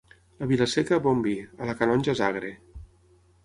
A Vila-seca, bon vi; a la Canonja és agre.